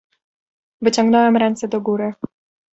"Wyciągnąłem ręce do góry."